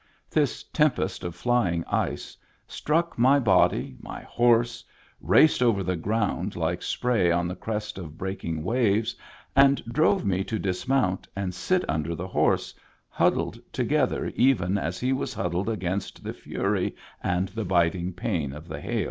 This tempest of flying ice struck my body, my horse, raced over the ground like spray on the crest of breaking waves, and drove me to dismount and sit under the horse, huddled to gether even as he was huddled against the fury and the biting pain of the haU.